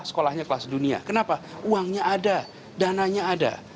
sekolahnya kelas dunia kenapa uangnya ada dananya ada